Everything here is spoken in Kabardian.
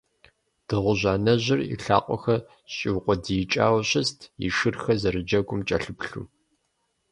Дыгъужь анэжьыр и лъакъуэхэр щӀиукъуэдиикӀауэ щыст, и шырхэр зэрыджэгум кӀэлъыплъу.